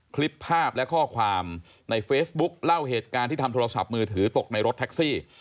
คลิปภาพและข้อความในเฟซบุ๊คเล่าเหตุการณ์ที่ทำโทรศัพท์มือถือตกในรถแท็กซี่